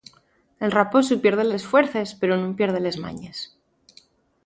El raposu pierde les fuerces, pero nun pierde les mañes.